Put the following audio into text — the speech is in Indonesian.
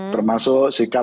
termasuk si ketua umum